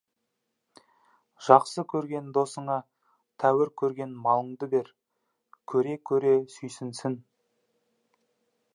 Жақсы көрген досыңа тәуір көрген малыңды бер, көре-көре сүйсінсін.